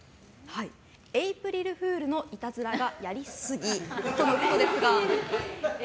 エイプリルフールのいたずらがやりすぎとのことですが。